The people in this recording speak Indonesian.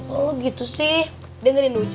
kalo lo gitu sih dengerin lucu